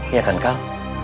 iya kan kal